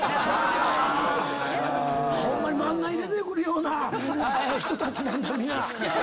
ホンマに漫画に出てくるような人たちなんだ！